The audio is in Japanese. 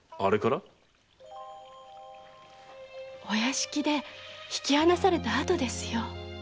お屋敷で引き離されたあとですよ。